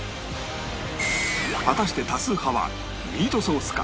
果たして多数派はミートソースか？